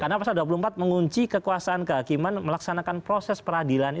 karena pasal dua puluh empat mengunci kekuasaan kehakiman melaksanakan proses peradilan